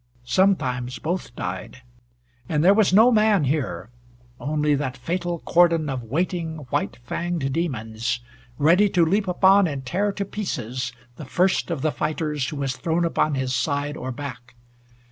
Sometimes both died. And there was no man here only that fatal cordon of waiting white fanged demons, ready to leap upon and tear to pieces the first of the fighters who was thrown upon his side or back.